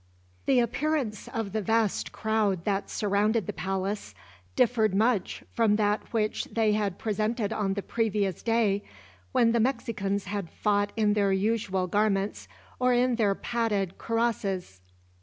The appearance of the vast crowd that surrounded the palace differed much from that which they had presented on the previous day, when the Mexicans had fought in their usual garments, or in their padded cuirasses.